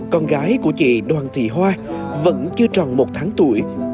con gái của chị đoàn thị hoa vẫn chưa tròn một tháng tuổi